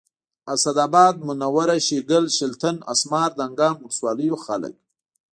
اسداباد منوره شیګل شلتن اسمار دانګام ولسوالیو خلک